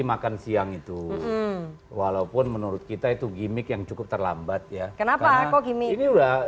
makan siang itu walaupun menurut kita itu gimmick yang cukup terlambat ya kenapa kok gimmick ini udah